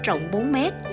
rộng bốn mét